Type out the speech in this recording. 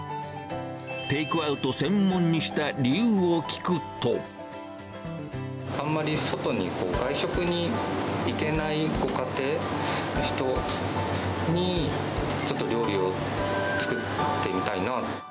テイクアウト専門にした理由を聞あんまり外に、外食に行けないご家庭の人に、ちょっと料理を作ってみたいなと。